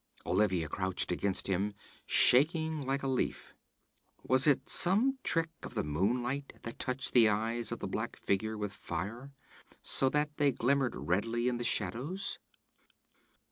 Olivia crouched against him, shaking like a leaf. Was it some trick of the moonlight that touched the eyes of the black figures with fire, so that they glimmered redly in the shadows?